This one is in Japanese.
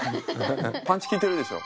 パンチ効いてるでしょ？